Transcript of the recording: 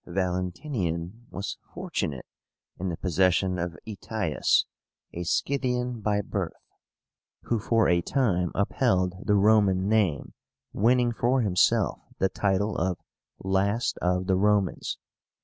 Valentinian was fortunate in the possession of AETIUS, a Scythian by birth, who for a time upheld the Roman name, winning for himself the title of LAST OF THE ROMANS.